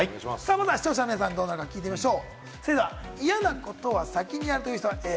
視聴者の皆さんどうなのか聞いてみましょう。